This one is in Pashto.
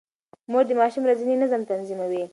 مور د ماشوم ورځنی نظم تنظيموي.